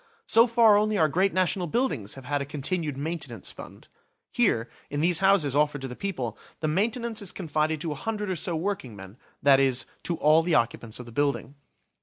So far only our great national buildings have had a continued maintenance fund. Here, in these houses offered to the people, the maintenance is confided to a hundred or so workingmen, that is, to all the occupants of the building.